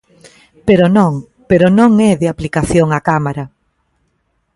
Pero non, pero non é de aplicación á Cámara.